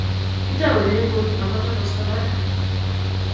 Kitaune ngony ako togosta parak